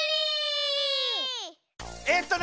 えっとね